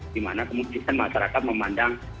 di mana kemudian masyarakat memandang